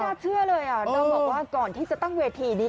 น่าเชื่อเลยน้องบอกว่าก่อนที่จะตั้งเวทีนี้